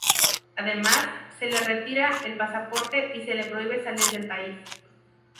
Además, se le retira el pasaporte y se le prohíbe salir del país.